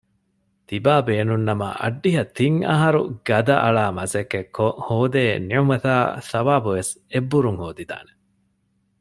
ތިބާބޭނުންނަމަ އައްޑިހަ ތިން އަހަރު ގަދައަޅާ މަސައްކަތްކޮށް ހޯދޭ ނިޢުމަތާއި ޘަވާބުވެސް އެއްބުރުން ހޯދިދާނެ